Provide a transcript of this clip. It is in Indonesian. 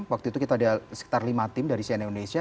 waktu itu kita ada sekitar lima tim dari cnn indonesia